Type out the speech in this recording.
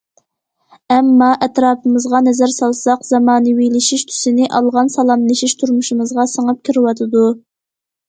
ئەمما، ئەتراپىمىزغا نەزەر سالساق، زامانىۋىلىشىش تۈسىنى ئالغان سالاملىشىش تۇرمۇشىمىزغا سىڭىپ كىرىۋاتىدۇ.